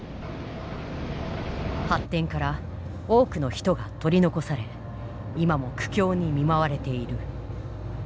発展から多くの人が取り残され今も苦境に見舞われている。